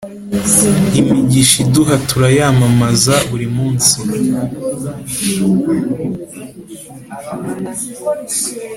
Imigisha uduha turayamamaza buri munsi